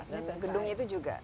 dan gedungnya itu juga